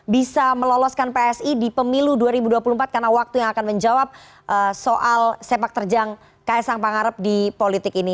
bisa meloloskan psi di pemilu dua ribu dua puluh empat karena waktu yang akan menjawab soal sepak terjang ksang pangarep di politik ini